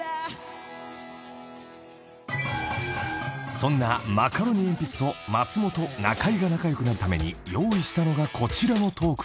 ［そんなマカロニえんぴつと松本・中居が仲良くなるために用意したのがこちらのトークテーマ］